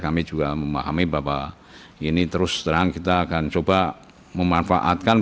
kami juga memahami bahwa ini terus terang kita akan coba memanfaatkan